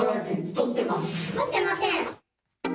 取ってません。